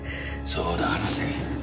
そうだ話せ。